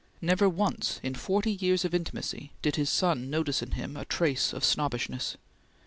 Never once in forty years of intimacy did his son notice in him a trace of snobbishness.